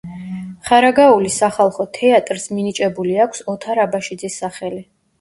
ხარაგაულის სახალხო თეატრს მინიჭებული აქვს ოთარ აბაშიძის სახელი.